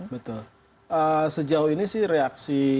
betul sejauh ini sih reaksi